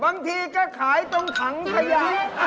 บางทีก็ขายตรงถังขยะ